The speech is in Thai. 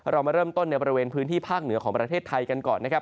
เรามาเริ่มต้นในบริเวณพื้นที่ภาคเหนือของประเทศไทยกันก่อนนะครับ